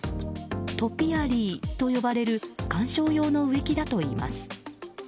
トピアリーと呼ばれる観賞用の植木だといいます。